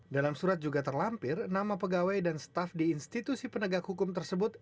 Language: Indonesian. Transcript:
dalam surat juga terlampir nama pegawai dan staf di institusi penegak hukum tersebut